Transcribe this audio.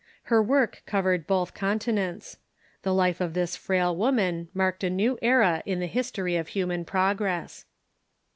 Her work covered both continents. The life of this frail woman marked a new era in the history of human progress.